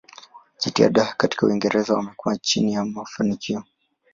Jitihada katika Uingereza wamekuwa chini ya mafanikio.